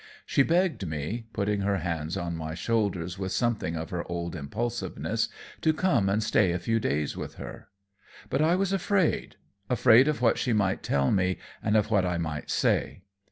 She begged me, putting her hands on my shoulders with something of her old impulsiveness, to come and stay a few days with her. But I was afraid afraid of what she might tell me and of what I might say.